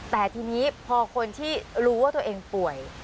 แต่ทีนี้พอคนที่รู้ว่าตัวเองป่วย